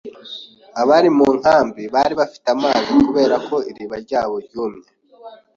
Abari mu nkambi bari bafite amazi kubera ko iriba ryabo ryumye.